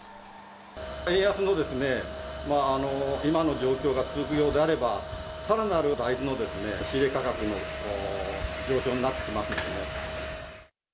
円安の今の状況が続くようであれば、さらなる大豆の仕入れ価格の上昇になってきますんでね。